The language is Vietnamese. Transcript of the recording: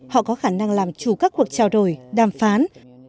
họ có khả năng làm chủ các cuộc trao đổi đàm phán